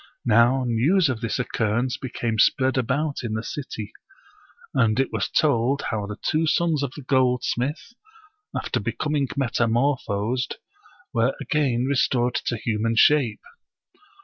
Now news of this occurrence became spread about in the city, and it was told how the two sons of the gold smith, after becoming metamorphosed, were again restored to human shape.